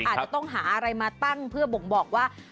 อาจจะต้องหาอะไรมาตั้งเพื่อบ่งบอกว่า